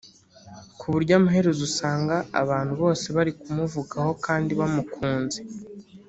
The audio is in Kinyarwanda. ku buryo amaherezo usanga abantu bose bari kumuvugaho kandi bamukunze